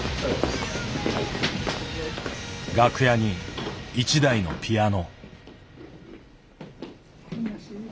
楽屋に一台のピアノ。